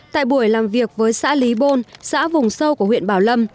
tại buổi làm việc với xã lý bôn xã vùng sâu của huyện bảo lâm